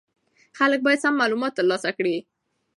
خلک باید سم معلومات ترلاسه کړي.